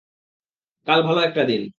কাল ভালো একটা দিন।